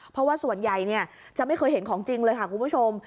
เพราะว่าส่วนใหญ่จะไม่เคยเห็นของจริงเลยค่ะคุณผู้ชม